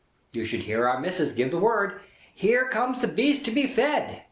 You should hear Our Missis give the word "Here comes the Beast to be Fed!"